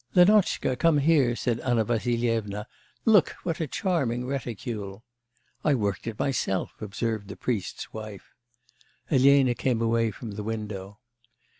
'Lenotchka, come here,' said Anna Vassilyevna, 'look, what a charming reticule.' 'I worked it myself,' observed the priest's wife. Elena came away from the window.